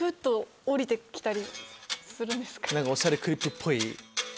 『おしゃれクリップ』っぽい。